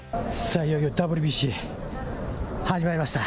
いよいよＷＢＣ、始まりました。